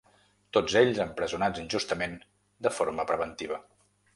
Tots ells empresonats injustament de forma preventiva.